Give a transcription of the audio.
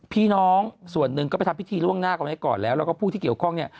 พี่น้องส่วนหนึ่งก็ไปทำพิธีล่วงหน้ากันไว้ก่อนแล้วแล้วก็ผู้ที่เกี่ยวข้องเนี่ย